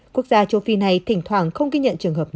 quốc gia châu phi này thỉnh thoảng không ghi nhận trường hợp nào